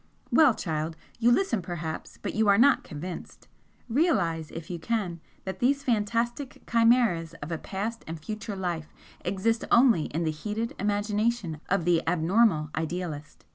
"Well, child, you listen perhaps, but you are not convinced. Realise, if you can, that these fantastic chimeras of a past and future life exist only in the heated imagination of the abnormal idealist.